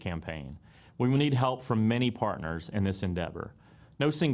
kita membutuhkan bantuan dari banyak perkembangan dalam perjuangan ini